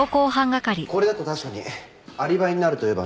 これだと確かにアリバイになるといえばなりますね。